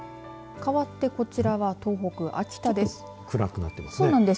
かわってこちらは東北、秋田です。